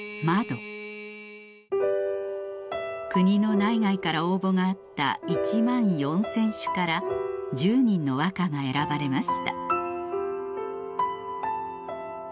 国の内外から応募があった１万４０００首から１０人の和歌が選ばれました